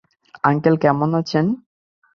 Uncle, কেমন আছেন?